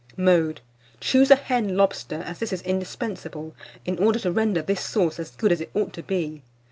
Mode. Choose a hen lobster, as this is indispensable, in order to render this sauce as good as it ought to be.